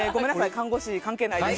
看護師関係ないです。